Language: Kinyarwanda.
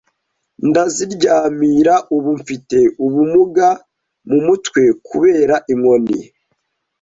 ndaziryamira ubu mfite ubumuga mu mutwe kubera inkoni